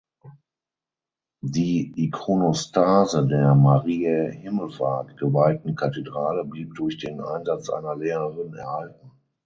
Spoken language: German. Die Ikonostase der Mariä Himmelfahrt geweihten Kathedrale blieb durch den Einsatz einer Lehrerin erhalten.